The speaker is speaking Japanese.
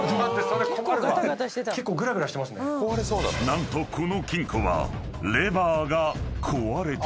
［何とこの金庫は］